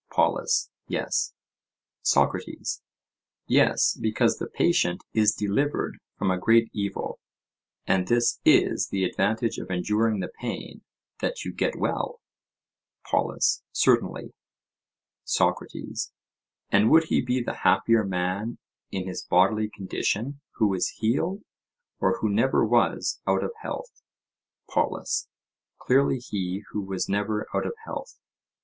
POLUS: Yes. SOCRATES: Yes, because the patient is delivered from a great evil; and this is the advantage of enduring the pain—that you get well? POLUS: Certainly. SOCRATES: And would he be the happier man in his bodily condition, who is healed, or who never was out of health? POLUS: Clearly he who was never out of health.